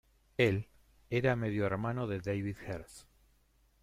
Él era medio hermano de David Hurst.